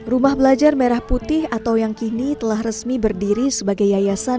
rumah belajar merah putih atau yang kini telah resmi berdiri sebagai yayasan